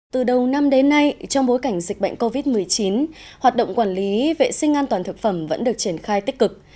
từ đầu năm đến nay trong bối cảnh dịch bệnh covid một mươi chín hoạt động quản lý vệ sinh an toàn thực phẩm vẫn được triển khai tích cực